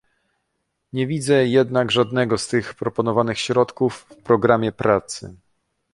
Nie widzę jednak żadnego z tych proponowanych środków w programie pracy